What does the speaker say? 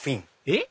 えっ？